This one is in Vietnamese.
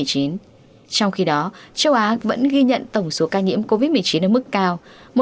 trong khi đó châu á vẫn ghi nhận tổng số ca nhiễm covid một mươi chín ở mức cao